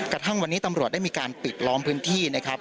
กระทั่งวันนี้ตำรวจได้มีการปิดล้อมพื้นที่นะครับ